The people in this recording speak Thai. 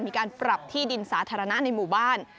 มีการปรับที่ดินสาธารณะในหมู่บ้าน